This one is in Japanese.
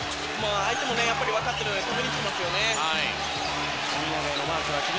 相手もわかってるから決めに来てますよね。